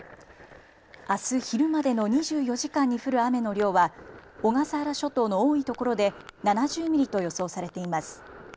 あす昼までの２４時間に降る雨の量は小笠原諸島の多いところで７０ミリと予想されています。